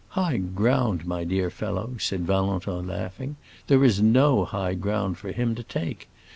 "High ground, my dear fellow," said Valentin, laughing; "there is no high ground for him to take.